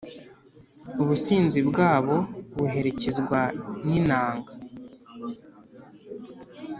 Ubusinzi bwabo buherekezwa n’inanga,